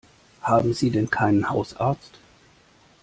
Haben Sie denn keinen Hausarzt?